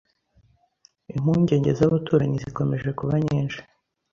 Impungenge z’abaturanyi zikomeje kuba nyinshi